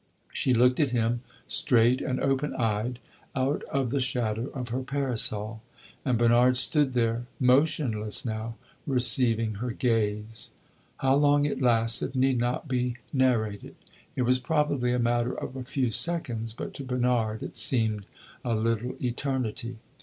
She looked at him, straight and open eyed, out of the shadow of her parasol, and Bernard stood there motionless now receiving her gaze. How long it lasted need not be narrated. It was probably a matter of a few seconds, but to Bernard it seemed a little eternity.